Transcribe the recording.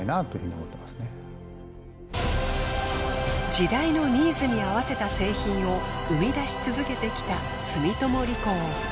時代のニーズに合わせた製品を生み出し続けてきた住友理工。